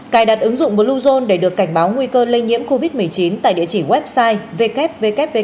cài đặt ứng dụng bluezone để được cảnh báo nguy cơ lây nhiễm covid một mươi chín tại địa chỉ website www bluezone gov vn